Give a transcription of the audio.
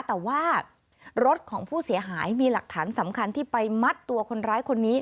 แต่ว่ารถของผู้เสียหายมีหลักฐานสำคัญที่ไปมัดตัวคนร้ายคนนี้